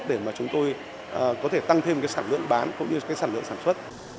để chúng tôi có thể tăng thêm sản lượng bán cũng như sản lượng sản xuất